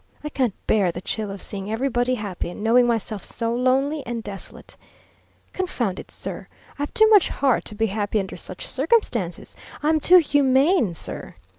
I can't bear the chill of seeing everybody happy, and knowing myself so lonely and desolate. Confound it, sir, I've too much heart to be happy under such circumstances! I'm too humane, sir!